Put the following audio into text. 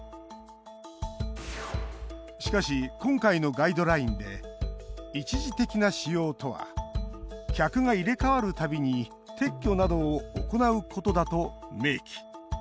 しかし、今回のガイドラインで一時的な使用とは客が入れ替わるたびに撤去などを行うことだと明記。